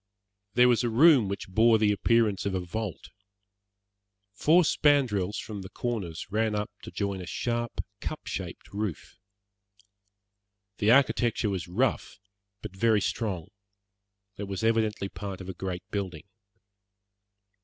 There was a room which bore the appearance of a vault. Four spandrels from the corners ran up to join a sharp, cup shaped roof. The architecture was rough, but very strong. It was evidently part of a great building.